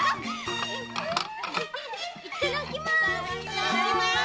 いただきます。